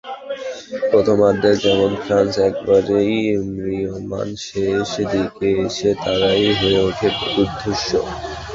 প্রথমার্ধে যেমন ফ্রান্স একেবারেই ম্রিয়মাণ, শেষ দিকে এসে তারাই হয়ে ওঠে দুর্ধর্ষ।